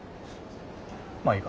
まあいいか。